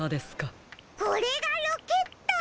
これがロケット。